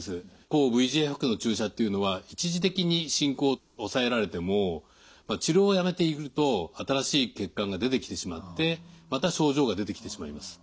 抗ＶＥＧＦ薬の注射っていうのは治療をやめていると新しい血管が出てきてしまってまた症状が出てきてしまいます。